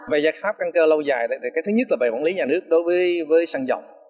về giác sáp căn cơ lâu dài thì cái thứ nhất là về quản lý nhà nước đối với xăng dầu